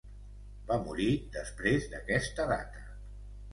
Va morir després d'aquesta data.